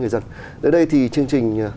người dân đến đây thì chương trình